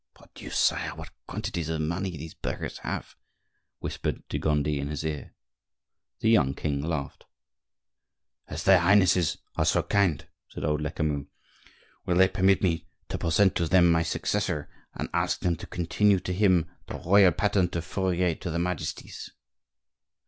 "Mordieu! sire, what quantities of money these burghers have!" whispered de Gondi in his ear. The young king laughed. "As their Highnesses are so kind," said old Lecamus, "will they permit me to present to them my successor, and ask them to continue to him the royal patent of furrier to their Majesties?"